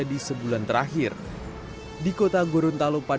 ini sekarang rp satu